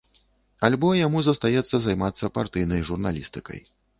Альбо яму застаецца займацца партыйнай журналістыкай.